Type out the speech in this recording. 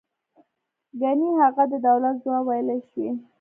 گني هغه د دولت ځواب ویلای شوی.